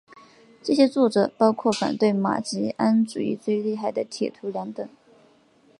这些作者包括反对马吉安主义最厉害的铁徒良等。